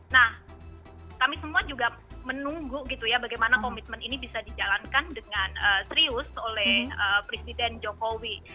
nah kami semua juga menunggu gitu ya bagaimana komitmen ini bisa dijalankan dengan serius oleh presiden jokowi